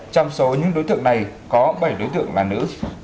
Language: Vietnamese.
trong số những đối tượng này có bảy đối tượng là nữ